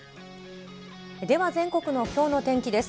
では全国のきょうの天気です。